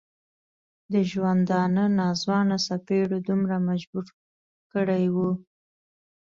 د ژوندانه ناځوانه څپېړو دومره مجبور کړی و.